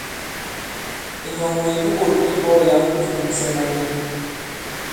Ìnyɔ̀ŋwègè di ɓôt i mbɔ̄k yǎŋ di fūmsɛ mayo.